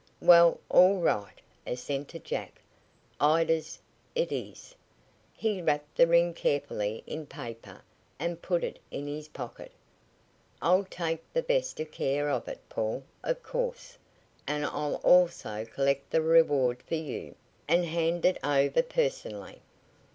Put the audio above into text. "Well, all right," assented Jack. "Ida's it is." He wrapped the ring carefully in paper and put it in his pocket. "I'll take the best of care of it, Paul, of course, and I'll also collect the reward for you, and hand it over personally.